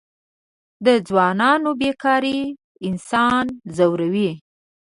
د ځوانانو بېکاري انسان ځوروي.